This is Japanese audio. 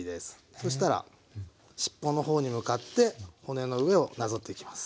そしたらしっぽの方に向かって骨の上をなぞっていきます。